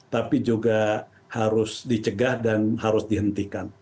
tapi juga harus dicegah dan harus dihentikan